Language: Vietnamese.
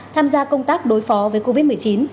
tham gia công tác đối phó với covid một mươi chín